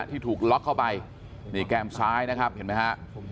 ที่ถูกล็อกเข้าไปนี่แก้มซ้ายนะครับเห็นไหมฮะ